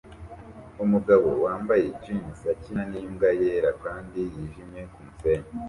Umugabo wambaye jeans akina nimbwa yera kandi yijimye kumusenyi